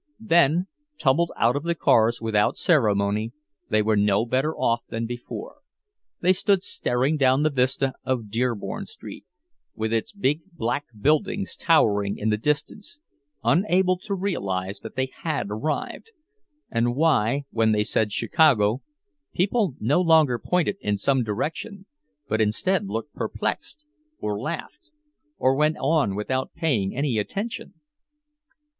Then, tumbled out of the cars without ceremony, they were no better off than before; they stood staring down the vista of Dearborn Street, with its big black buildings towering in the distance, unable to realize that they had arrived, and why, when they said "Chicago," people no longer pointed in some direction, but instead looked perplexed, or laughed, or went on without paying any attention.